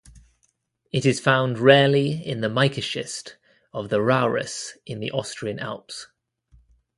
It is found rarely in the mica-schist of the Rauris in the Austrian Alps.